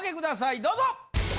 どうぞ！